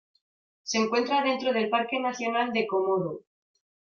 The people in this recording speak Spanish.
Se encuentra dentro del Parque nacional de Komodo.